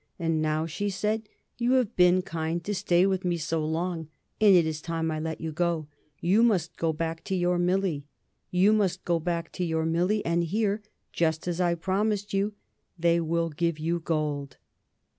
"And now," she said, "you have been kind to stay with me so long, and it is time I let you go. You must go back to your Millie. You must go back to your Millie, and here just as I promised you they will give you gold."